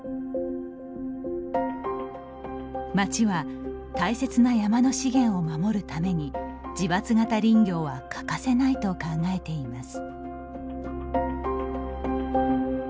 町は大切な山の資源を守るために自伐型林業は欠かせないと考えています。